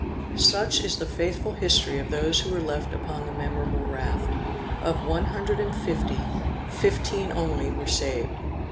Such is the faithful history of those who were left upon the memorable raft. Of one hundred and fifty, fifteen only were saved.